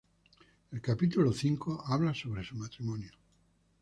El "Capítulo Cinco" habla sobre su matrimonio.